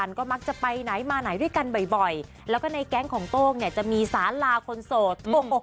ก็มักจะไปไหนมาไหนด้วยกันบ่อยแล้วก็ในแก๊งของโต้งเนี่ยจะมีสาลาคนโสด